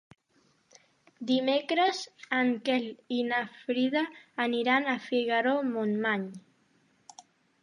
Dimecres en Quel i na Frida aniran a Figaró-Montmany.